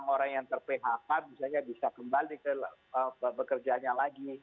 orang yang terpihakkan misalnya bisa kembali ke pekerjaannya lagi